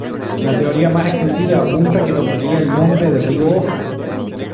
La teoría más extendida apunta a que tomaría el nombre del río Oja.